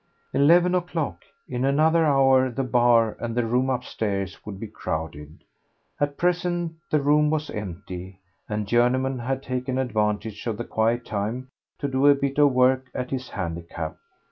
Eleven o'clock! In another hour the bar and the room upstairs would be crowded. At present the room was empty, and Journeyman had taken advantage of the quiet time to do a bit of work at his handicap.